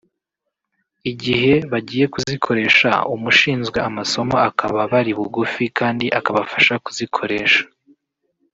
igihe bagiye kuzikoresha umushinzwe amasomo akaba bari bugufi kandi akabafasha kuzikoresha